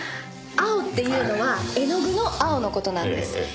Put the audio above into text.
青っていうのは絵の具の青の事なんです。